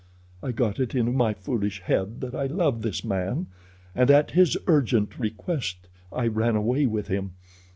I got it into my foolish head that I loved this man, and at his urgent request I ran away with him.